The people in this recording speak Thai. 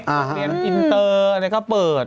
อันนี้เปิดอินเตอร์อันนี้ก็เปิด